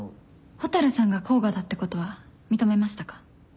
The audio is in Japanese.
蛍さんが甲賀だってことは認めましたか？